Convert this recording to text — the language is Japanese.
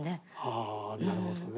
ああなるほどね。